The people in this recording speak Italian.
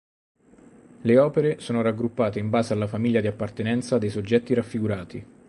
Le opere sono raggruppate in base alla famiglia di appartenenza dei soggetti raffigurati.